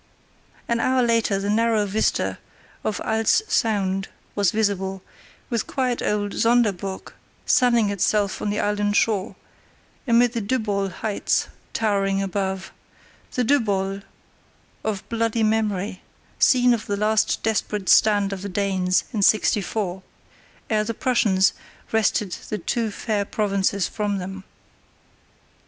An hour later the narrow vista of Als Sound was visible, with quiet old Sonderburg sunning itself on the island shore, and the Dybbol heights towering above—the Dybbol of bloody memory; scene of the last desperate stand of the Danes in '64, ere the Prussians wrested the two fair provinces from them.